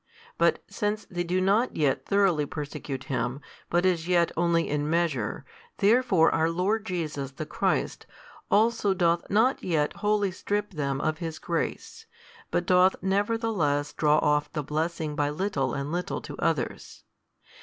But since they do not yet thoroughly persecute Him, but as yet only in measure, therefore our Lord Jesus the Christ also doth not yet wholly strip them of His grace, but doth nevertheless draw off the blessing by little and little to others.